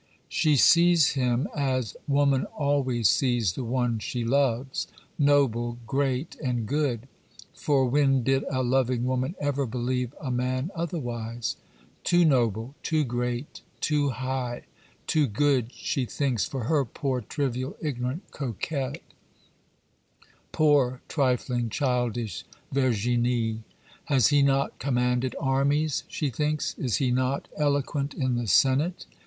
She sees him, as woman always sees the one she loves—noble, great, and good; for when did a loving woman ever believe a man otherwise? too noble, too great, too high, too good, she thinks for her, poor, trivial, ignorant coquette—poor, trifling, childish Virginie! Has he not commanded armies? she thinks; is he not eloquent in the senate?